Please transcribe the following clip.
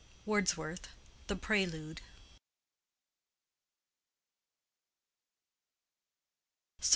—WORDSWORTH: The Prelude.